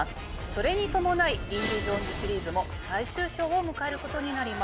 それに伴い『インディ・ジョーンズ』シリーズも最終章を迎えることになります。